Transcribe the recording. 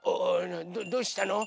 どうしたの？